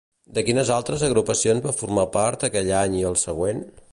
De quines altres agrupacions va formar part aquell any i el següent?